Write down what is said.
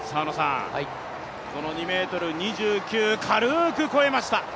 ２ｍ２９、軽く越えました。